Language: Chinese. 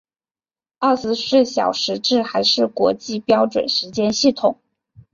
二十四小时制还是国际标准时间系统。